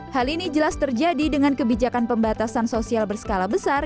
hal ini jelas terjadi dengan kebijakan pembatasan sosial berskala besar